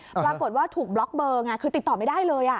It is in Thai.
ปรากฏว่าถูกบล็อกเบอร์ไงคือติดต่อไม่ได้เลย